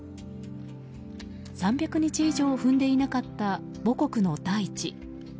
３００日以上踏んでいなかった母国の大地。